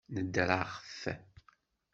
Nedreɣ-t.